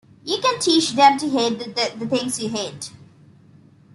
You can teach them to hate the things you hate.